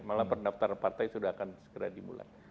malah pendaftaran partai sudah akan segera dimulai